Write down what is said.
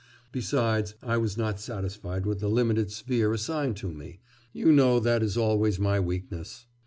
Besides, I was not satisfied with the limited sphere assigned to me you know that is always my weakness.